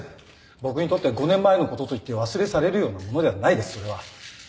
僕にとって５年前のことと言って忘れ去れるようなものではないですそれは。